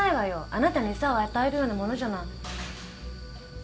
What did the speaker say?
あなたに餌を与えるようなものじゃない。